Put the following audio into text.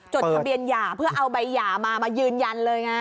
จดทะเบียนหย่าเพื่อเอาใบหย่ามามายืนยันเลยไง